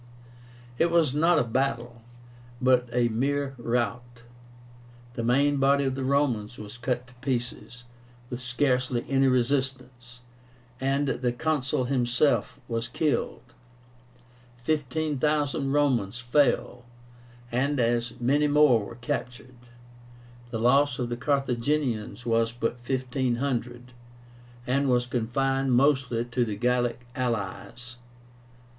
It was not a battle, but a mere rout. The main body of the Romans was cut to pieces, with scarcely any resistance, and the Consul himself was killed. Fifteen thousand Romans fell, and as many more were captured. The loss of the Carthaginians was but 1,500, and was confined mostly to the Gallic allies.